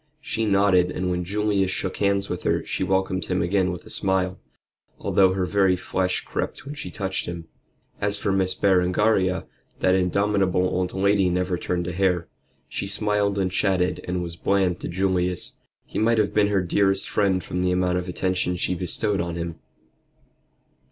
She nodded, and when Julius shook hands with her she welcomed him again with a smile, although her very flesh crept when she touched him. As for Miss Berengaria, that indomitable old lady never turned a hair. She smiled and chatted, and was bland to Julius. He might have been her dearest friend from the amount of attention she bestowed on him.